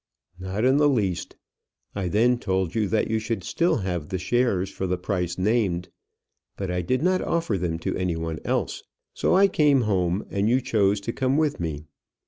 "Not in the least. I then told you that you should still have the shares for the price named. But I did not offer them to any one else. So I came home, and you chose to come with me.